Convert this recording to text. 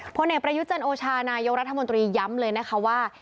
พลเอกประยุจันโอชานายกรัฐมนตรีย้ำเลยนะคะว่า